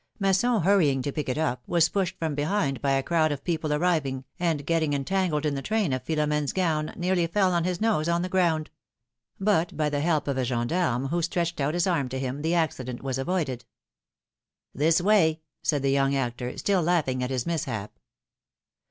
Masson hurrying to pick it up, W'as pushed from behind by a crowd of people arriving, and getting entangled in the train of Philomdne's gown, PHILOMEXE^S MAKEIAGES. 213 nearly fell on his nose on the ground ; but by the help of a gendarme who stretched out his arm to him, the accident was avoided. This way/^ said the young actor, still laughing at his mishap.